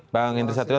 bang indri satrio